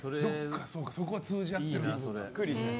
そこは通じ合ってるんだ。